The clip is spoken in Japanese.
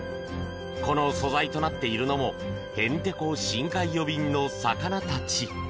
この素材となっているのもヘンテコ深海魚便の魚たち。